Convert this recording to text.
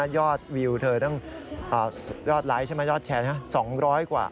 ยอดวิวเธอยอดไลค์ใช่ไหมยอดแชร์